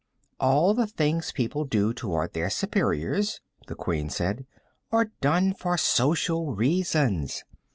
"All the things people do toward their superiors," the Queen said, "are done for social reasons.